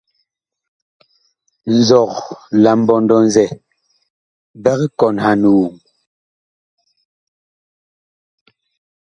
Nzɔg la mbɔndɔ-zɛ big kɔnhan woŋ.